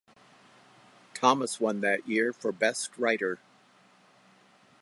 Thomas won that year for Best Writer.